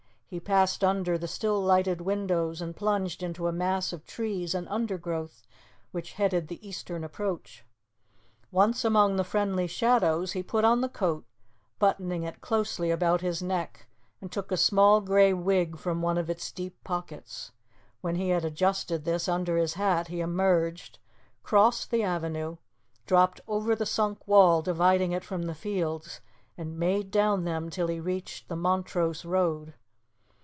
He passed under the still lighted windows and plunged into a mass of trees and undergrowth which headed the eastern approach. Once among the friendly shadows, he put on the coat, buttoning it closely about his neck, and took a small grey wig from one of its deep pockets. When he had adjusted this under his hat he emerged, crossed the avenue, dropped over the sunk wall dividing it from the fields, and made down them till he reached the Montrose road.